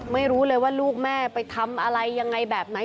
ไม่รู้เลยว่าลูกแม่ไปทำอะไรยังไงแบบไหน